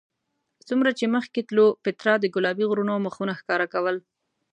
څومره چې مخکې تلو پیترا د ګلابي غرونو مخونه ښکاره کول.